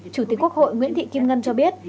chủ tịch quốc hội nguyễn thị kim ngân cho biết